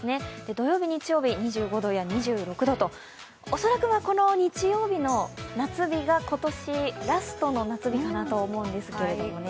土曜日、日曜日２５度や２６度と、恐らく日曜日の夏日が今年ラストの夏日になると思うんですけどね。